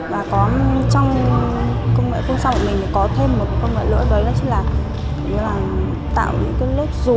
và trong công nghệ phun xong của mình thì có thêm một công nghệ nữa